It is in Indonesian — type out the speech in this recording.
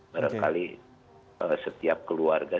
barangkali setiap keluarga